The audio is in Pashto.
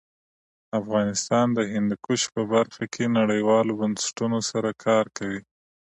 افغانستان د هندوکش په برخه کې نړیوالو بنسټونو سره کار کوي.